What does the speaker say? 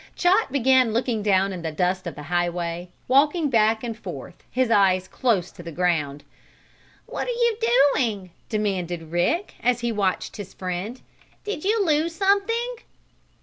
Chot began looking down in the dust of the highway, walking back and forth his eyes close to the ground. "What you doing?" demanded Rick, as he watched his friend. "Did you lose something?"